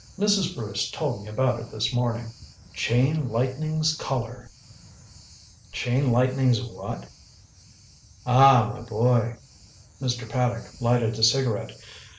Mrs. Bruce told me about it this morning. Chain Lightning's Collar." "Chain Lightning's what?" "Ah, my boy " Mr. Paddock lighted a cigarette.